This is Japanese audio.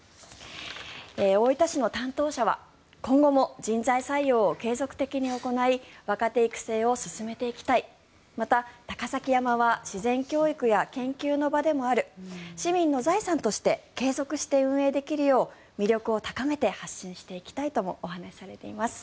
大分市の担当者は今後も人材採用を継続的に行い若手育成を進めていきたいまた、高崎山は自然教育や研究の場でもある市民の財産として継続して運営できるよう魅力を高めて発信していきたいともお話しされています。